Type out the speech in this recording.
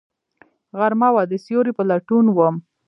غرمه وه، د سیوری په لټون وم